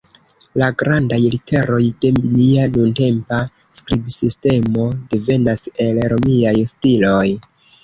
La grandaj literoj de nia nuntempa skribsistemo devenas el Romiaj stiloj.